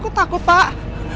kok takut pak